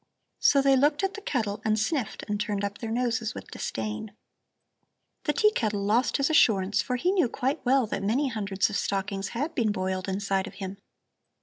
So they looked at the kettle and sniffed and turned up their noses with disdain. "The tea kettle lost his assurance, for he knew quite well that many hundreds of stockings had been boiled inside of him.